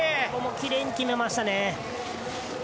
ここもきれいに決めましたね。